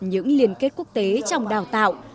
những liên kết quốc tế trong đào tạo